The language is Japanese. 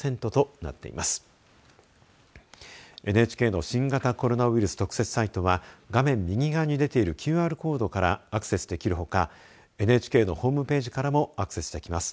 ＮＨＫの新型コロナウイルス特設サイトは画面右側に出ているＱＲコードからアクセスできるほかＮＨＫのホームページからもアクセスできます。